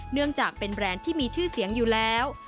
เนื่องจากเป็นแบรนด์ที่มีชื่อเสียงอยู่แล้ว